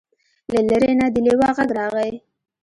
له لرې نه د لیوه غږ راغی.